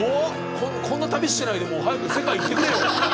こんな旅してないで早く世界行ってくれよ。